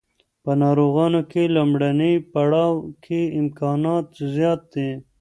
په ناروغانو کې لومړني پړاو کې امکانات زیات دي.